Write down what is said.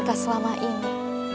bukankah selama ini